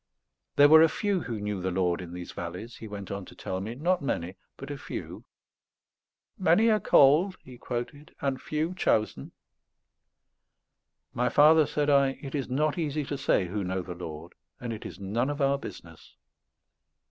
There were a few who knew the Lord in these valleys, he went on to tell me; not many, but a few. "Many are called," he quoted, "and few chosen." "My father," said I, "it is not easy to say who know the Lord; and it is none of our business.